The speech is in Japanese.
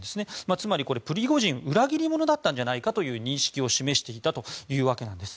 つまりプリゴジン裏切り者だったんじゃないかという認識を示していたというわけです。